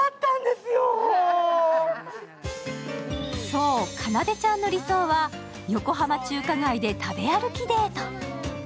そう、かなでちゃんの理想は横浜中華街で食べ歩きデート。